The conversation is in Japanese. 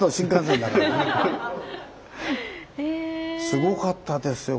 すごかったですよ